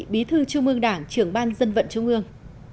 bí thư trung ương đảng trưởng ban dân vận trung ương